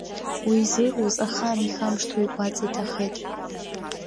Уи изыруз ахаан ихамышҭуа игәаҵа иҭахеит.